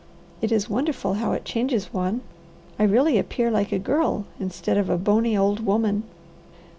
It is wonderful how it changes one. I really appear like a girl instead of a bony old woman."